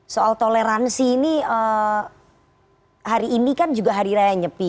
soal toleransi ini hari ini kan juga hari raya nyepi